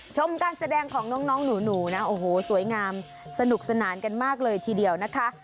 ชมการแสดงของน้องหนูนะโอ้โหสวยงามสนุกสนานกันมากเลยทีเดียวนะคะ